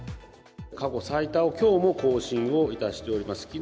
過去最多をきょうも更新をいたしております。